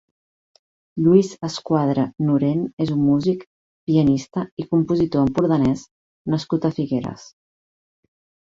Lluís Escuadra Nurén és un músic, pianista i compositor empordanès nascut a Figueres.